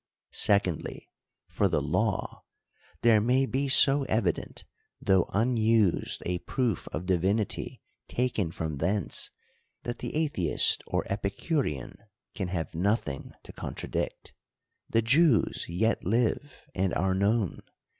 — Secondly, for the law, there may be so evident, though unused a proof of divinity taken from thence, that __,_____ 78 THE COUNTRY PARSON. the atheist or Epicurean can have nothing to contradict. The Jews yet Hve, and are known.